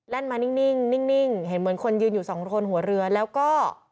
มานิ่งนิ่งเห็นเหมือนคนยืนอยู่สองคนหัวเรือแล้วก็